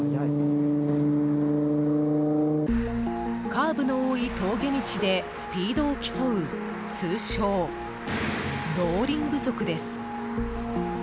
カーブの多い峠道でスピードを競う通称ローリング族です。